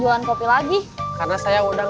yaudah aku ngerti dulu akan you kata anxiety